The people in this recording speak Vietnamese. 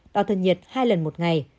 đo thân nhiệt hai lần một ngày